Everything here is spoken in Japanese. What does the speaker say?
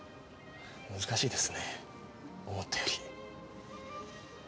難しいですね思ったより。